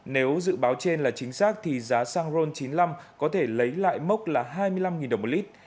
nếu dự báo trên là chính xác thì giá xăng ron chín mươi năm có thể lấy lại mốc là hai mươi năm đồng một lít